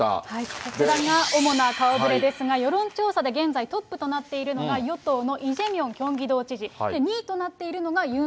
こちらが主な顔ぶれですが、世論調査で現在トップとなっているのが与党のイ・ジェミョンキョンギ道知事、２位となっているのがユン・